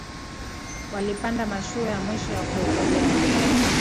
walipanda mashua ya mwisho ya kuokoleaa